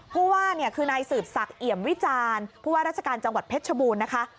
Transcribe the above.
ผู้ว่าเนี่ยคือนายสืบศักดิ์เอี่ยมวิจารณ์ผู้ว่าราชการจังหวัดเพชรชบูรณ์นะคะ